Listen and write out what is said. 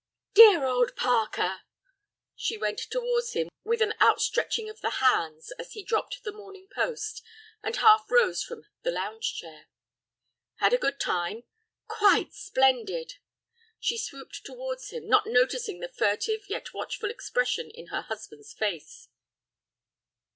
"Dear old Parker—" She went towards him with an out stretching of the hands, as he dropped the Morning Post, and half rose from the lounge chair. "Had a good time?" "Quite splendid." She swooped towards him, not noticing the furtive yet watchful expression in her husband's face.